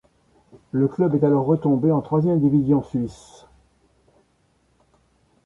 Le club est alors retombé en troisième division suisse.